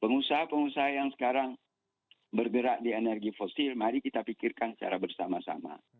pengusaha pengusaha yang sekarang bergerak di energi fosil mari kita pikirkan secara bersama sama